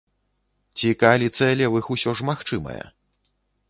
Ці кааліцыя левых усё ж магчымая?